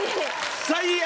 最悪！